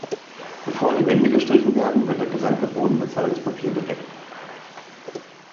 Bevor die Wände gestrichen werden, wird der gesamte Boden mit Zeitungspapier bedeckt.